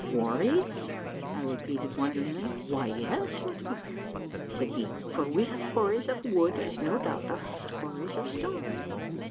Quarries ?" I repeated wonderingly. " Why, yes, little baron," said he, " for we have quarries of wood as no doubt thou hast quarries of stone.